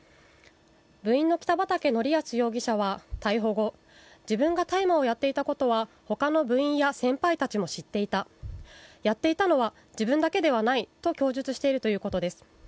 部員の北畠成文容疑者は逮捕後、自分が大麻をやっていたことは他の部員や先輩たちも知っていた、やっていたのは自分だけではないと供述しているということです。